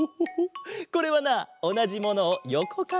これはなおなじものをよこからみたかげだ。